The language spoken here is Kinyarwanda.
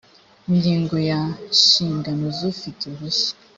ingingo ya inshingano z ufite uruhushya